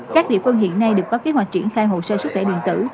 các địa phương hiện nay được có kế hoạch triển khai hồ sơ sức khỏe điện tử